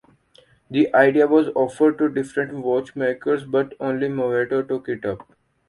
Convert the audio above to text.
The idea was offered to different watch makers but only Movado took it up.